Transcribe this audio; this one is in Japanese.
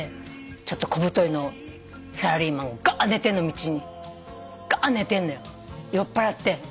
ちょっと小太りのサラリーマンが寝てんの道に。が寝てんのよ酔っぱらって。